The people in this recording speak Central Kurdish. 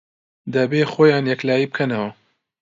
دەبێ خۆیان یەکلایی بکەنەوە